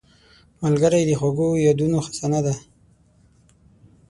ملګری د خوږو یادونو خزانه ده